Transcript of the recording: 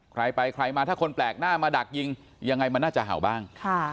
ใครไปใครมาถ้าคนแปลกหน้ามาดักยิงยังไงมันน่าจะเห่าบ้าง